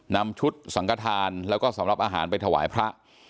นำชุดสังกฐานแล้วก็สำหรับอาหารไปถวายพระ